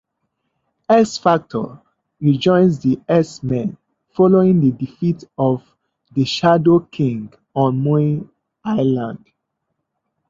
X-Factor rejoins the X-Men following the defeat of the Shadow King on Muir Island.